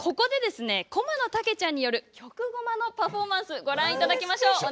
ここでこまのたけちゃんによる曲ごまのパフォーマンスご覧いただきましょう。